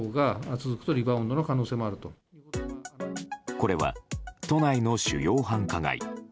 これは都内の主要繁華街。